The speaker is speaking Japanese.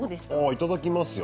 いただきますよ。